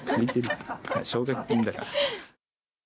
奨学金だから。